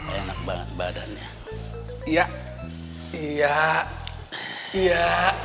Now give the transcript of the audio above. enak banget badannya iya siap iya